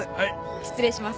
失礼します。